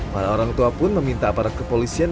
para orang tua pun meminta aparat kepolisian